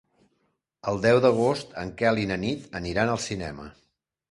El deu d'agost en Quel i na Nit aniran al cinema.